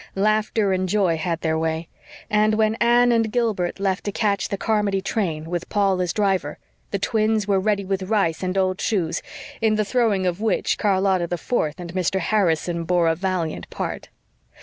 Laughter and joy had their way; and when Anne and Gilbert left to catch the Carmody train, with Paul as driver, the twins were ready with rice and old shoes, in the throwing of which Charlotta the Fourth and Mr. Harrison bore a valiant part.